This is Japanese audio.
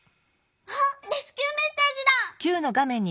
はっレスキューメッセージだ！